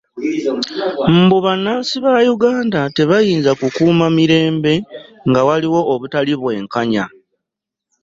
Mbu bannansi ba Uganda tebayinza kukuuma mirembe nga waliwo obutali bwenkanya